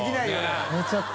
許）寝ちゃった。